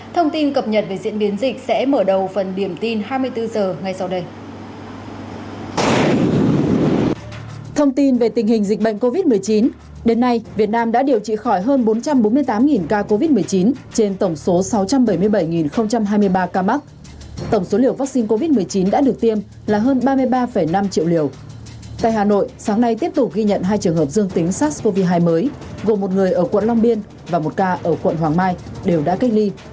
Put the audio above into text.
thông tin cập nhật về diễn biến dịch sẽ mở đầu phần điểm tin hai mươi bốn h ngay sau đây